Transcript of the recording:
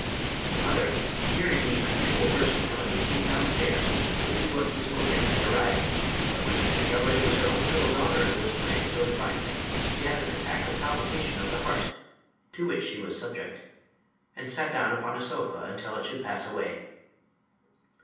Her mother, hearing the unusual burst of melody, came downstairs to see what musical guest had arrived; but when she discovered it was her own little daughter who was playing so divinely she had an attack of palpitation of the heart (to which she was subject) and sat down upon a sofa until it should pass away.